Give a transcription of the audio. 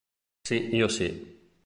Si io si!